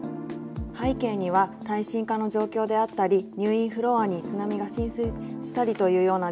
背景には耐震化の状況であったり入院フロアに津波が浸水したりというような状況があります。